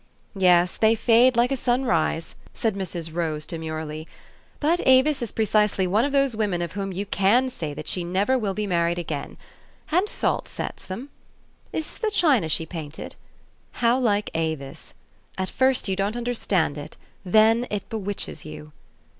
"Yes, they fade like a sunrise," said Mrs. Rose demurely ;'' but Avis is precisely one of those women of whom you can say that she never will be married again. And salt sets them. Is this the china she painted ? How like Avis ! At first you don't understand it, then it bewitches you.